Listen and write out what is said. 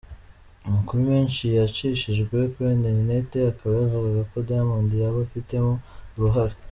Amakuru menshi yacishijwe kuri interineti akaba yavugaga ko Diamond yaba abifitemo uruhare.